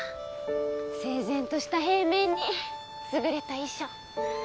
整然とした平面に優れた意匠。